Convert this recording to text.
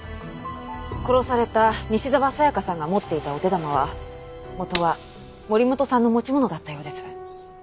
殺された西沢紗香さんが持っていたお手玉は元は森本さんの持ち物だったようです。